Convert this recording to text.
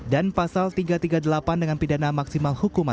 dan pasal tiga ratus tiga puluh delapan dengan pidana maksimal hukuman